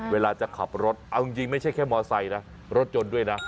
เวลาจะขับรถเอาจริงไม่ใช่แค่มอไซค์นะรถยนต์ด้วยนะ